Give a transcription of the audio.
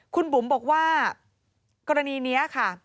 คุณบุ๋มบอกว่ากรณีนี้ค่ะ